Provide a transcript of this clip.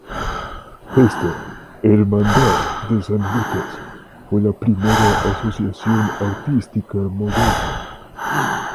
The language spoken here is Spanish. Esta "Hermandad de San Lucas" fue la primera asociación artística moderna.